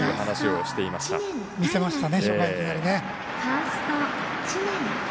見せましたね。